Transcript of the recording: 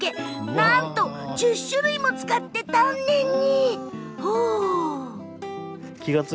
なんと１０種類も使って丹念に。